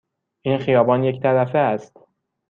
این خیابان یک طرفه است.